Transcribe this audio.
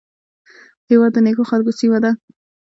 هېواد د نیکو خلکو سیمه ده